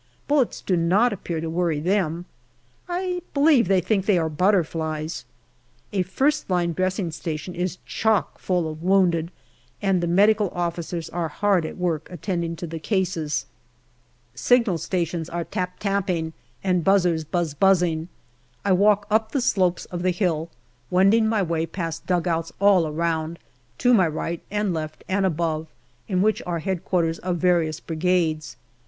Bullets do not appear to worry them. I believe they think that they are butterflies. A first line dressing station is chock full of wounded, and the M.O.'s are hard at work attending to the cases. Signal AUGUST 209 stations are tap tapping and buzzers buz buzzing. I walk up the slopes of the hill, wending my way past dugouts all around, to my right and left and above, in which are H.Q. of various Brigades.